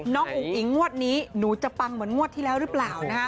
อุ๋งอิ๋งงวดนี้หนูจะปังเหมือนงวดที่แล้วหรือเปล่านะฮะ